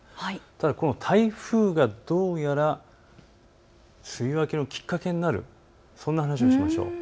ただ、この台風がどうやら梅雨明けのきっかけになる、そんな話をしましょう。